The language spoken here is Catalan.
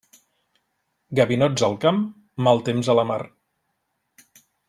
Gavinots al camp, mal temps a la mar.